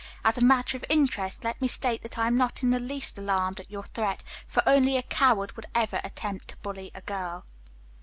As a matter of interest, let me state that I am not in the least alarmed at your threat, for only a coward would ever attempt to bully a girl."